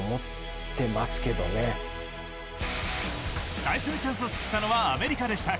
最初にチャンスを作ったのはアメリカでした。